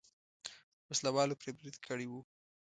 وسله والو پرې برید کړی و.